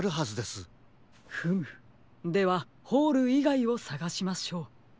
フムではホールいがいをさがしましょう。